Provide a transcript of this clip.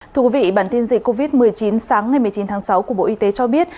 thưa quý vị bản tin dịch covid một mươi chín sáng ngày một mươi chín tháng sáu của bộ y tế cho biết